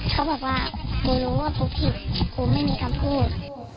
เขาบอกว่าคุยรู้ว่าพูดผิดคุยไม่มีคำพูด